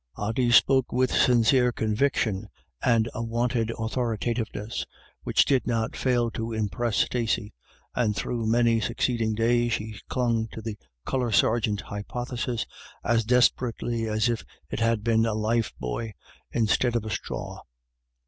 Ody spoke with sincere conviction, and a wonted authoritativeness which did not fail to impress Stacey, and through many succeeding days she clung to the colour sergeant hypothesis as des perately as if it had been a life buoy instead of a straw.